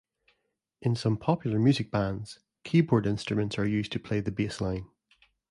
In some popular music bands, keyboard instruments are used to play the bass line.